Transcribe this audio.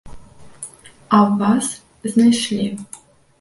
А ў вас знайшлі.